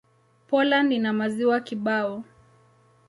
Poland ina maziwa kibao.